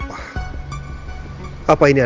masuk ke lifesa